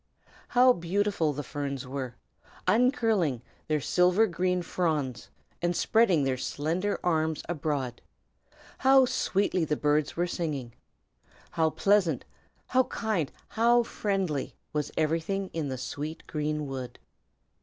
How beautiful the ferns were, uncurling their silver green fronds and spreading their slender arms abroad! How sweetly the birds were singing! How pleasant, how kind, how friendly was everything in the sweet green wood!